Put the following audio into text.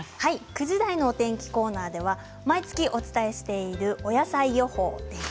９時台のお天気コーナーでは毎月お伝えしているお野菜予報です。